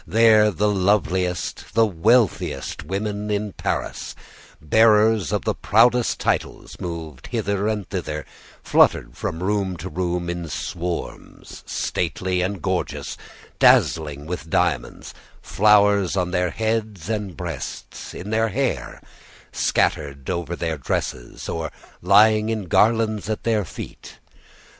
There the loveliest, the wealthiest women in Paris, bearers of the proudest titles, moved hither and thither, fluttered from room to room in swarms, stately and gorgeous, dazzling with diamonds; flowers on their heads and breasts, in their hair, scattered over their dresses or lying in garlands at their feet.